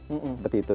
ya seperti itu